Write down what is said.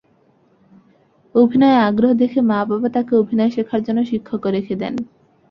অভিনয়ে আগ্রহ দেখে মা বাবা তাঁকে অভিনয় শেখার জন্য শিক্ষকও রেখে দেন।